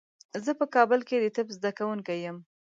زه په کابل کې د طب زده کوونکی یم.